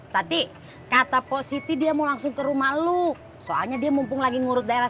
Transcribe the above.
tadi kata positif dia mau langsung ke rumah look soalnya dia mumpung lagi ngurus daerah